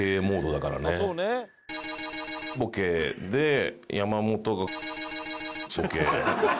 ボケで山本がボケ。